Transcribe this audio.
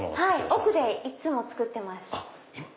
奥でいつも作ってます。